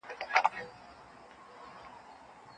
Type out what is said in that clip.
د افغان توره چې لوڅه شي تيره شي